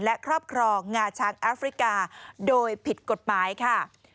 และครอบครองงาช้างแอฟริกาโดยผิดกฎหมายค่ะ